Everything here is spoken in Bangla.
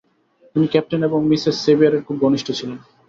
তিনি ক্যাপ্টেন এবং মিসেস সেভিয়ারের খুব ঘনিষ্ঠ ছিলেন।